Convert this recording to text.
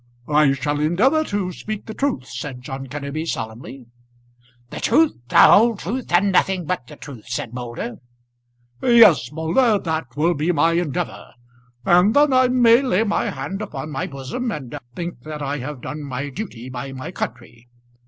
"I shall endeavour to speak the truth," said John Kenneby, solemnly. "The truth, the whole truth, and nothing but the truth," said Moulder. "Yes, Moulder, that will be my endeavour; and then I may lay my hand upon my bosom and think that I have done my duty by my country."